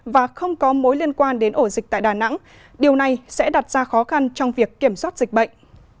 và không có mối liên quan đến ổ dịch tại đà nẵng điều này sẽ đặt ra khó khăn trong việc kiểm soát dịch bệnh